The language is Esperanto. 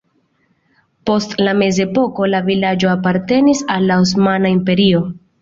Post la mezepoko la vilaĝo apartenis al la Osmana Imperio.